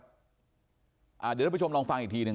เดี๋ยวเราไปชมรองฟังอีกทีนึง